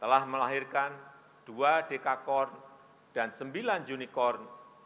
telah melahirkan dua dekakor dan sembilan unicorn